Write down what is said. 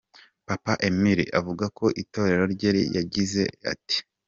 Papa Emile avuga ku itorero rye yagize ati:.